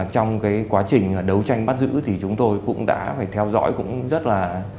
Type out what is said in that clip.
trong cái quá trình đấu tranh bắt giữ thì chúng tôi cũng đã phải theo dõi cũng rất là